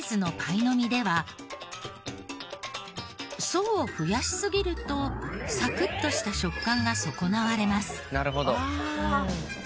層を増やしすぎるとサクッとした食感が損なわれます。